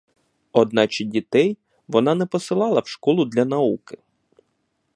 Одначе дітей вона не посилала в школу для науки.